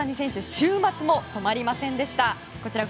週末も止まりませんでした。